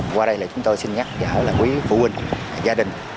qua đây là chúng tôi xin nhắc là quý phụ huynh gia đình